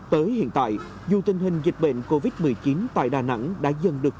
tới hiện tại dù tình hình dịch bệnh covid một mươi chín tại đà nẵng đã dần được